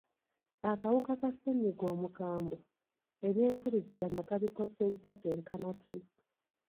Akawuka ka ssenyiga omukambwe, ebyempuliziganya kabikosezza kyenkana ki?